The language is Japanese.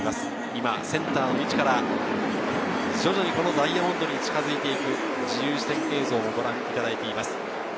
今、センターの位置から徐々にダイアモンドに近づいていく自由視点映像をご覧いただいています。